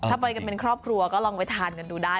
ถ้าไปกันเป็นครอบครัวก็ลองไปทานกันดูได้